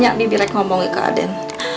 ya bibi rek ngomong ke aden